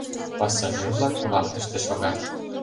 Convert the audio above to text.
Пассажир-влак вахтыште шогат.